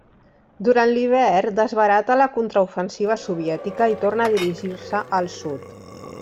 Durant l'hivern desbarata la contraofensiva soviètica i torna a dirigir-se al sud.